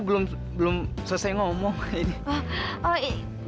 aku belum selesai ngomong